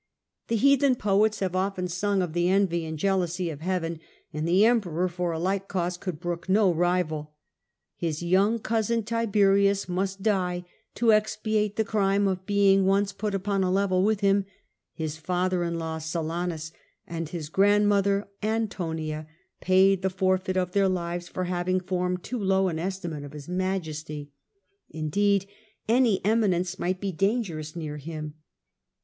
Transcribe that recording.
The heathen poets have often sung of the envy and jealousy of heaven ; and the Emperor for a like cause could brook no rival. His young cousin no rival d iberuis must die to expiate the crime of greatness, being oncc piit upon a level with him; his falher in law, Silanus, and his grandmother, Antonia, paid the forfeit of their lives for having formed too low an estimate of his majesty. Indeed, any eminence might be dangerous near him.